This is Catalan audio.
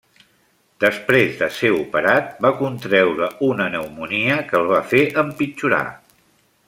Després de ser operat, va contreure una pneumònia que el va fer empitjorar.